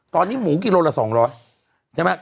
ตอนนี้หมูกิโลละ๒๐๐บาท